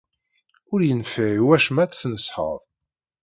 Ur yenfiɛ i wacemma ad tt-tneṣḥed.